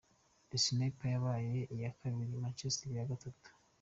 The Snipers yabaye iya kabiri, Monsters iba iya gatatu.